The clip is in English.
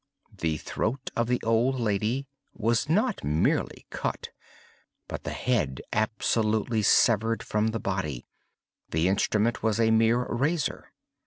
The throat of the old lady was not merely cut, but the head absolutely severed from the body: the instrument was a mere razor.